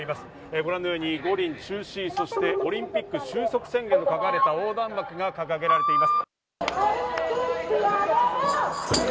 ご覧のように「五輪中止」、「オリンピック終息宣言」の書かれた横断幕が掲げられています。